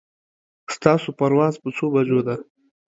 ستاسو پرواز په څو بجو ده